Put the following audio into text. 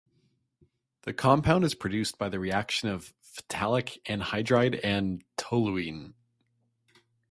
The compound is produced by the reaction of phthalic anhydride and toluene.